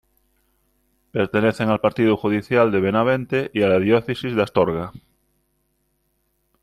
Pertenecen al partido judicial de Benavente y a la Diócesis de Astorga.